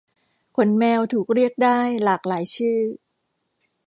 ขนแมวถูกเรียกได้หลากหลายชื่อ